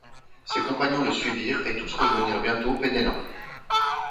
Ses compagnons le suivirent, et tous rejoignirent bientôt Penellan.